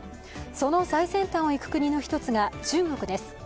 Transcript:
その最先端をいく国の一つが、中国です。